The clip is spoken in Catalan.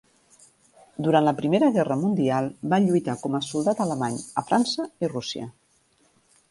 Durant la Primera Guerra Mundial va lluitar com a soldat alemany a França i Rússia.